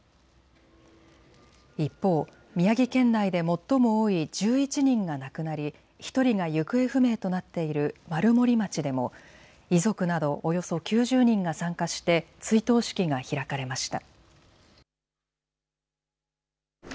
一方、宮城県内で最も多い１１人が亡くなり１人が行方不明となっている丸森町でも遺族などおよそ９０人が参加して追悼式が開かれました。